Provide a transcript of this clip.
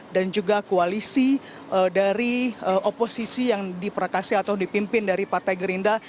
dan juga koalisi dari oposisi yang diprakasi atau dipimpin dari partai gerinda